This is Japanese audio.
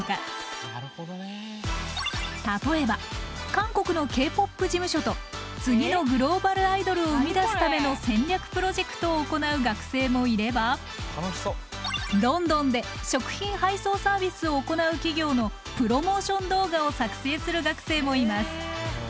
例えば韓国のＫ−ＰＯＰ事務所と次のグローバルアイドルを生み出すための戦略プロジェクトを行う学生もいればロンドンで食品配送サービスを行う企業のプロモーション動画を作成する学生もいます。